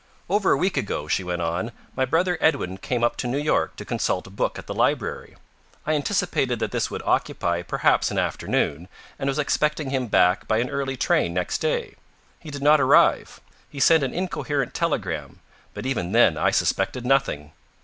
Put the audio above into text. "Over a week ago," she went on, "my brother Edwin came up to New York to consult a book at the library. I anticipated that this would occupy perhaps an afternoon, and was expecting him back by an early train next day. He did not arrive. He sent an incoherent telegram. But even then I suspected nothing."